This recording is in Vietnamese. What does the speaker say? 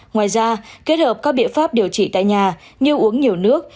ngoài ra kết hợp các biện pháp điều trị tại nhà như uống nhiều nước